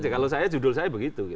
kalau saya judul saya begitu